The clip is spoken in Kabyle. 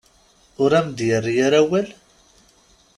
Ur am-d-yerri ara awal?